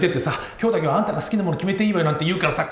今日だけはあんたが好きなもの決めていいわよなんて言うからさ